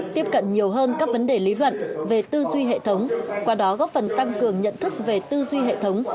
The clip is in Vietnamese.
tiếp cận nhiều hơn các vấn đề lý luận về tư duy hệ thống qua đó góp phần tăng cường nhận thức về tư duy hệ thống